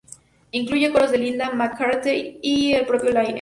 Incluye coros de Linda McCartney y del propio Laine.